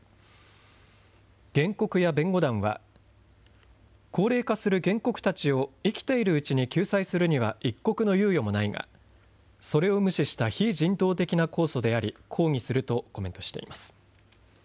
原告や弁護団は高齢化する原告たちを生きているうちに救済するには一刻の猶予もないがそれを無視した非人道的な控訴であり抗議するとコメントしています。